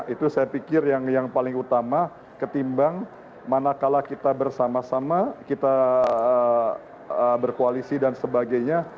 itu saya pikir yang paling utama ketimbang manakala kita bersama sama kita berkoalisi dan sebagainya